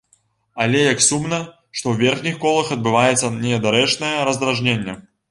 Але як сумна, што ў верхніх колах адбываецца недарэчнае раздражненне.